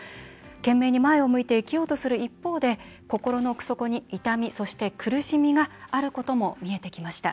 懸命に前を向いて生きようとする一方で心の奥底に、痛みそして苦しみもあることが見えてきました。